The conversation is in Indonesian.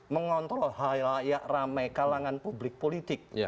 mengontrol halayak ramai kalangan publik politik